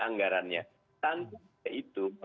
anggarannya tentu itu